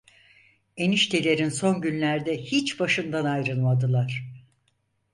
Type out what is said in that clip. Eniştelerin son günlerde hiç başından ayrılmadılar…